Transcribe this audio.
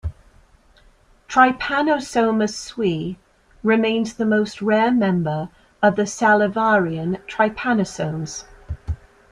"Trypanosomas suis" remains the most rare member of the Salivarian trypanosomes.